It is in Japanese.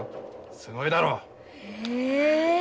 すごいだろ？へえ。